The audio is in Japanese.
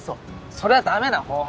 それはダメな方法。